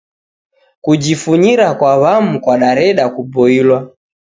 Kujifunyira kwa wam'u kwadareda kuboilwa.